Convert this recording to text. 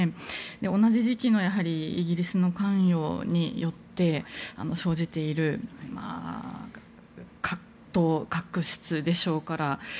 同じ時期のイギリスの関与によって生じている葛藤、確執でしょうから。